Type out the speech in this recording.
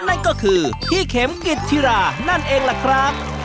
นั่นก็คือพี่เข็มกิจธิรานั่นเองล่ะครับ